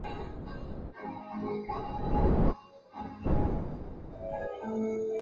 王元超毕业于日本东京法政大学法律专门部。